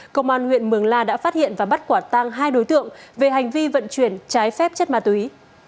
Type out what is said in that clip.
công an huyện mường la đã phát hiện và bắt quả tang hai đối tượng về hành vi vận chuyển trái phép chất ma túy